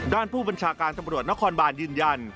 ด้านผู้บัญชาการตำรวจนครบานยืนยัน